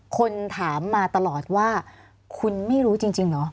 คนถามมาตลอดว่าคุณไม่รู้จริงเหรอ